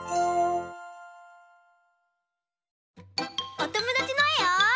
おともだちのえを。